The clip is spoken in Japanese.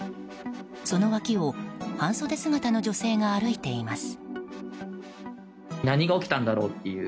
その脇を半袖姿の女性が歩いています。